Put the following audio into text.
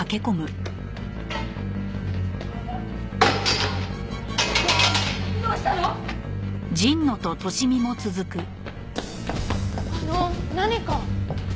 あの何か？